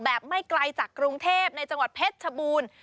ไม่ไกลจากกรุงเทพในจังหวัดเพชรชบูรณ์